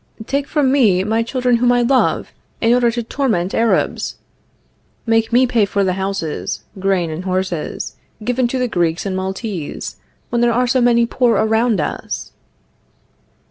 Take from me my children whom I love, in order to torment Arabs! Make me pay for the houses, grain and horses, given to the Greeks and Maltese, when there are so many poor around us!